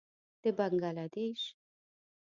د بنګله دېش.